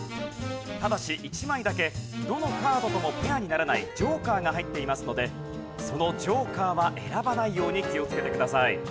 ただし１枚だけどのカードともペアにならないジョーカーが入っていますのでそのジョーカーは選ばないように気をつけてください。